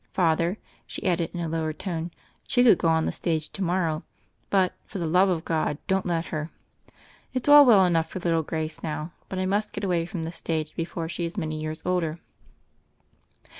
Father," she added in a lower tone, "she could go on the stage to mor row; but, for the love of God, don't let her. It's all well enough for little Grace now; but I must get away from the stage before she is many years older."